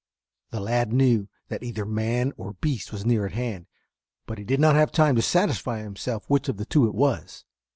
The lad knew that either man or beast was near at hand, but he did not have time to satisfy himself which of the two it was.